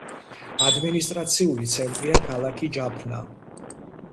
ადმინისტრაციული ცენტრია ქალაქი ჯაფნა.